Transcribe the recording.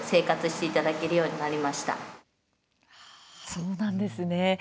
そうなんですね。